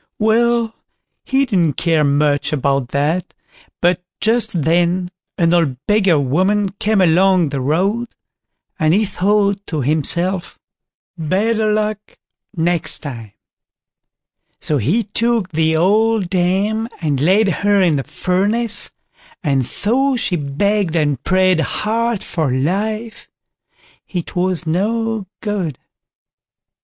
Well, he didn't care much about that, but just then an old beggar woman came along the road, and he thought to himself, "better luck next time"; so he took the old dame and laid her in the furnace, and though she begged and prayed hard for her life, it was no good.